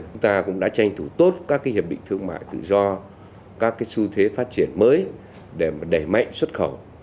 chúng ta cũng đã tranh thủ tốt các hiệp định thương mại tự do các cái xu thế phát triển mới để đẩy mạnh xuất khẩu